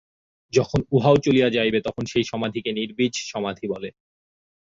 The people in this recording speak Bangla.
যখন উহাও চলিয়া যাইবে, তখনই সেই সমাধিকে নির্বীজ সমাধি বলে।